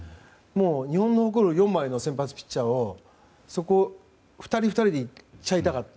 日本の誇る４枚の先発ピッチャーを２人、２人でいっちゃいたかった。